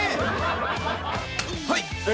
はい！